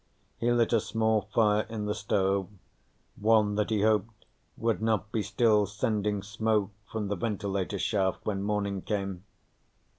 He lit a small fire in the stove, one that he hoped would not be still sending smoke from the ventilator shaft when morning came.